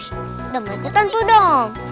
udah makan tuh dong